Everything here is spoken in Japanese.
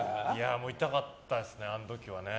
もう痛かったですね、あの時は。